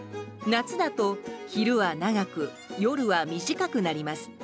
夏だと昼は長く夜は短くなります。